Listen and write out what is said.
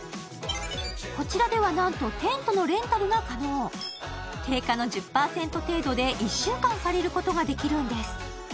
こちらではなんとテントのレンタルが可能定価の１０％程度で１週間借りることができるんです